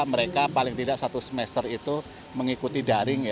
mereka paling tidak satu semester itu mengikuti daring